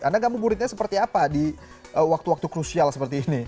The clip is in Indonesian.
anda ngamu buritnya seperti apa di waktu waktu krusial seperti ini